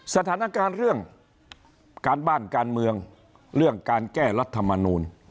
สถานการณ์เรื่องการบ้านการเมืองเรื่องการแก้รัฐมนูล